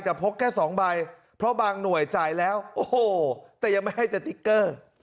แต่พกแค่สองใบเพราะบางหน่วยจ่ายแล้วโอ้โหแต่ยังไม่ให้สติ๊กเกอร์